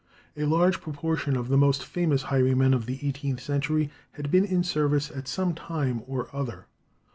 A large proportion of the most famous highwaymen of the eighteenth century had been in service at some time or other.